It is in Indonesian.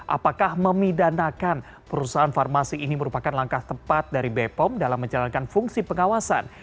apakah memidanakan perusahaan farmasi ini merupakan langkah tepat dari bepom dalam menjalankan fungsi pengawasan